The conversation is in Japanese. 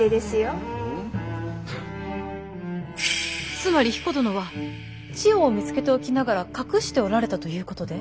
つまり彦殿は千代を見つけておきながら隠しておられたということで？